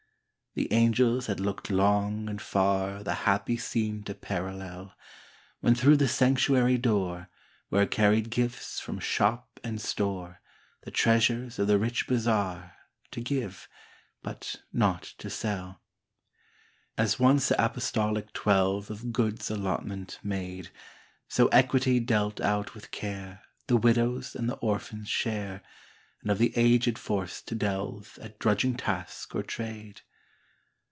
The angels had looked long and far The happy scene to parallel, When through the sanctuary door Were carried gifts from shop and store, The treasures of the rich bazaar, To give but not to sell. As once the apostolic twelve Of goods allotment made, So equity dealt out with care The widow's and the orphan's share, And of the aged forced to delve At drudging task or trade.